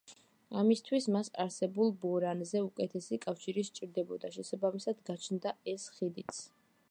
ამისთვის მას არსებულ ბორანზე უკეთესი კავშირი სჭირდებოდა, შესაბამისად გაჩნდა ეს ხიდიც.